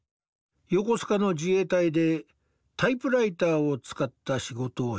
横須賀の自衛隊でタイプライターを使った仕事をしていた。